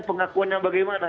pengakuan yang bagaimana